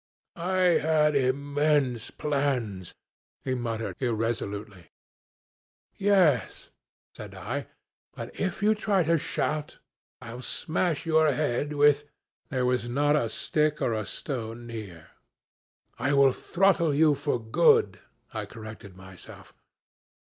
"'I had immense plans,' he muttered irresolutely. 'Yes,' said I; 'but if you try to shout I'll smash your head with ' There was not a stick or a stone near. 'I will throttle you for good,' I corrected myself.